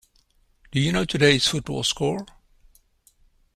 Do you know today's football score?